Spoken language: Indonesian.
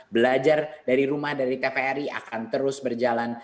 belajar dari rumah dari tvri akan terus berjalan